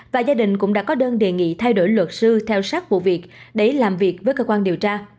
và gia đình cũng đã có đơn đề nghị thay đổi luật sư theo sát vụ việc để làm việc với cơ quan điều tra